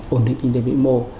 ổn định kinh tế vĩ mô